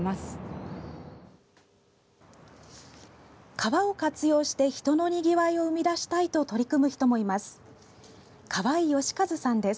川を活用して人のにぎわいを生み出したいと取り組む人もいます。